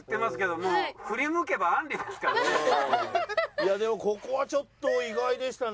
いやでもここはちょっと意外でしたね。